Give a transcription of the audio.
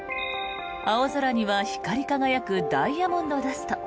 青空には光り輝くダイヤモンドダスト。